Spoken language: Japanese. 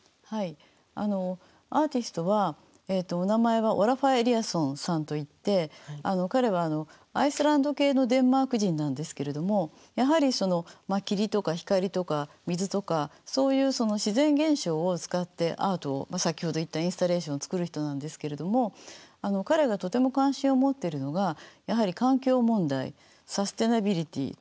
はいアーティストはお名前はオラファー・エリアソンさんといって彼はアイスランド系のデンマーク人なんですけれどもやはりその霧とか光とか水とかそういう自然現象を使ってアートを先ほど言ったインスタレーションを作る人なんですけれども彼がとても関心を持っているのがやはり環境問題サステナビリティ。